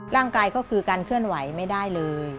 ร่างกายก็คือการเคลื่อนไหวไม่ได้เลย